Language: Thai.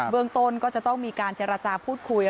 เมืองต้นก็จะต้องมีการเจรจาพูดคุย